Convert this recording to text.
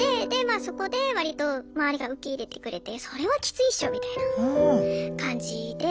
あそこで割と周りが受け入れてくれてそれはきついっしょみたいな感じで。